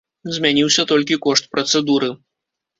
Змяніўся толькі кошт працэдуры.